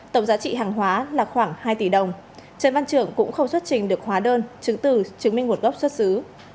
tổng giá trị hàng hóa là khoảng hai tỷ đồng trần văn trưởng cũng không xuất trình được hóa đơn chứng từ chứng minh nguồn gốc xuất xứ